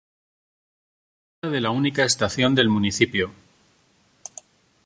Se trata de la única estación del municipio.